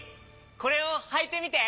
これをはいてみて！